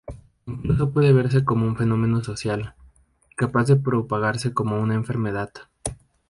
Incluso puede verse como un fenómeno social, capaz de propagarse como una enfermedad.